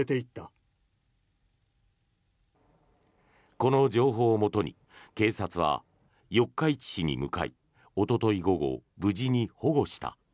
この情報をもとに警察は四日市市に向かいおととい午後、無事に保護した。